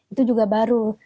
itu juga baru